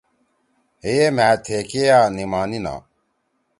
ہیے مھآ تھے کیا نیما نینا۔